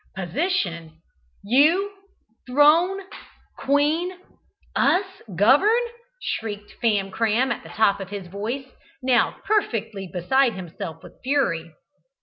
"Position! You! Throne! Queen! Us govern!" shrieked Famcram at the top of his voice, now perfectly beside himself with fury.